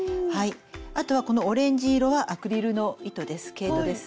あとはこのオレンジ色はアクリルの糸です。